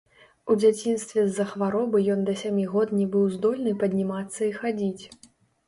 У дзяцінстве з-за хваробы ён да сямі год не быў здольны паднімацца і хадзіць.